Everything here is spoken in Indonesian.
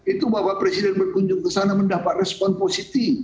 itu bapak presiden berkunjung kesana mendapat respon positif